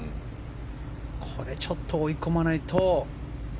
これちょっと追い込まないと。